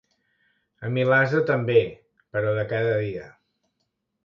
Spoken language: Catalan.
Amilasa, també, però de cada dia.